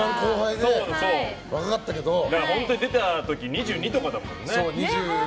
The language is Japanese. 本当に出た時２２とかだったもんね。